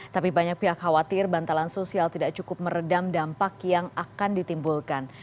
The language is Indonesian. tapi banyak pihak khawatir bantalan sosial tidak cukup meredam dampak yang akan ditimbulkan